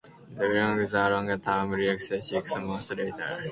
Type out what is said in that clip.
They began a long term relationship six months later.